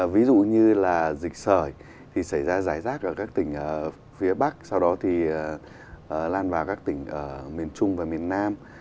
ví dụ như là dịch sởi thì xảy ra giải rác ở các tỉnh phía bắc sau đó thì lan vào các tỉnh ở miền trung và miền nam